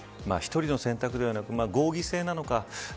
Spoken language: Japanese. １人の選択ではなく合議制なのか